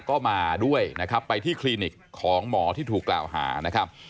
ก็มาด้วยนะครับไปที่คลินิกของหมอที่ถูกกล่าวหานะครับ